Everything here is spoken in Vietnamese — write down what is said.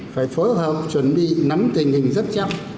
phải phối hợp chuẩn bị nắm tình hình rất chậm